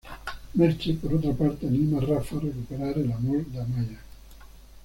Merche, por otra parte, anima a Rafa a recuperar el amor de Amaia.